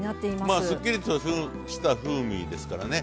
すっきりとした風味ですからね。